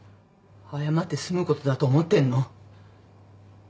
謝って済むことだと思ってんの？